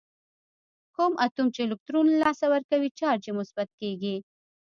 کوم اتوم چې الکترون له لاسه ورکوي چارج یې مثبت کیږي.